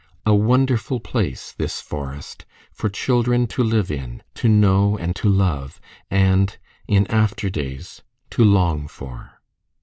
A wonderful place this forest, for children to live in, to know, and to love, and in after days to long for.